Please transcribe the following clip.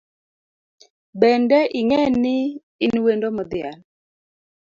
Bende ing’eni in wendo modhial